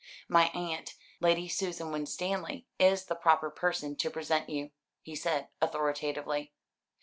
"My aunt, Lady Susan Winstanley, is the proper person to present you," he said authoritatively.